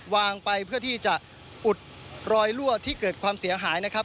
วางไปเพื่อที่จะอุดรอยลั่วที่เกิดความเสียหายนะครับ